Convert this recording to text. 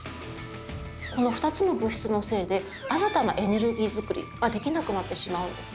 この２つの物質のせいで新たなエネルギー作りができなくなってしまうんですね。